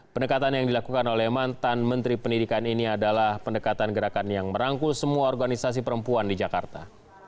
pendekatan yang dilakukan oleh mantan menteri pendidikan ini adalah pendekatan gerakan yang merangkul semua organisasi perempuan di jakarta